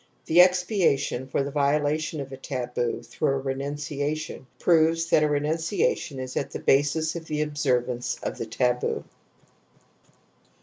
The expiation for the violation of a taboo through a renunciation proves that a renunciation is at the basis of the observance of the taboo.